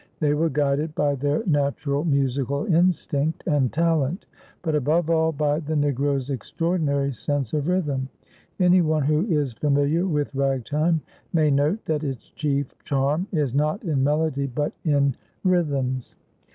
They were guided by their natural musical instinct and talent, but above all by the Negro's extraordinary sense of rhythm. Any one who is familiar with Ragtime may note that its chief charm is not in melody, but in rhythms.